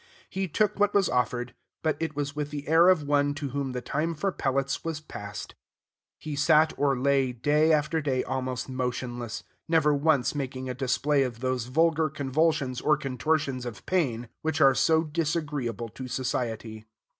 He took what was offered, but it was with the air of one to whom the time for pellets was passed. He sat or lay day after day almost motionless, never once making a display of those vulgar convulsions or contortions of pain which are so disagreeable to society.